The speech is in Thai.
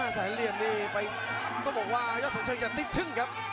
แสนเหลี่ยมนี่ไปต้องบอกว่ายอดสนเชิงอย่าติดชึ่งครับ